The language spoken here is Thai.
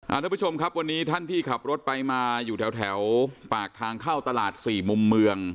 ทุกผู้ชมครับวันนี้ท่านที่ขับรถไปมาอยู่แถวแถวปากทางเข้าตลาดสี่มุมเมือง